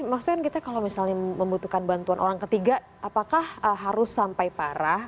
maksudnya kita kalau misalnya membutuhkan bantuan orang ketiga apakah harus sampai parah